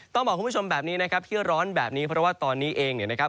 ต้องบอกคุณผู้ชมแบบนี้นะครับที่ร้อนแบบนี้เพราะว่าตอนนี้เองเนี่ยนะครับ